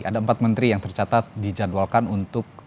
ada empat menteri yang tercatat dijadwalkan untuk